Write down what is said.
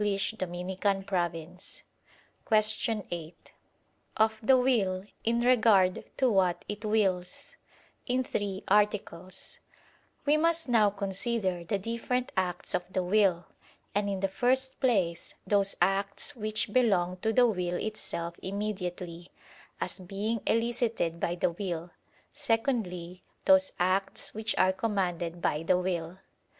________________________ QUESTION 8 OF THE WILL, IN REGARD TO WHAT IT WILLS (In Three Articles) We must now consider the different acts of the will; and in the first place, those acts which belong to the will itself immediately, as being elicited by the will; secondly, those acts which are commanded by the will.